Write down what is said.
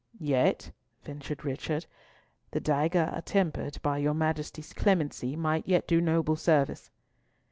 "Yet," ventured Richard, "the dagger attempered by your Majesty's clemency might yet do noble service."